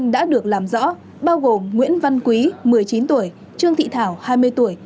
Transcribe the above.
đã được làm rõ bao gồm nguyễn văn quý một mươi chín tuổi trương thị thảo hai mươi tuổi